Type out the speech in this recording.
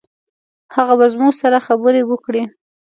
هغه به زموږ سره خبرې وکړي.